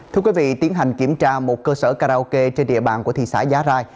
thưa quý vị tiến hành kiểm tra một cơ sở karaoke trên địa bàn của thị xã giá rai